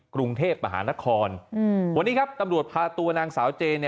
กรุงเทพมหานครวันนี้ครับตำรวจพาตัวนางสาวเจน